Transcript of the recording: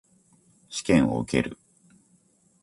試験を受ける。